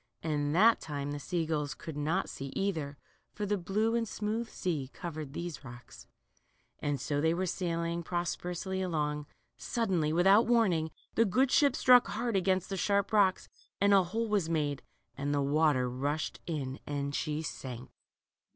And that time the sea gulls could not see either, for the blue and smooth sea covered these rocks. And so as they were sailing prosperously along, suddenly, without warning, the good ship struck hard against the sharp rocks, and a hole was made, and the water rushed in and she sank.